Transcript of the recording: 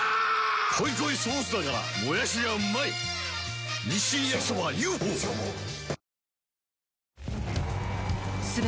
濃い濃いソースだからもやしがうまい‼日清焼そばＵ．Ｆ．Ｏ．チョモチョモ